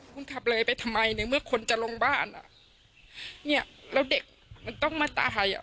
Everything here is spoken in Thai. คุณขับเลยไปทำไมในเมื่อคนจะลงบ้านอ่ะเนี้ยแล้วเด็กมันต้องมาตายอ่ะ